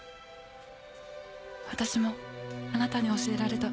私もあなたに教えられた。